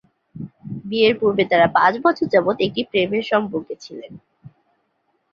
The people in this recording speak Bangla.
বিয়ের পূর্বে তারা পাঁচ বছর যাবৎ একটি প্রেমের সম্পর্কে ছিলেন।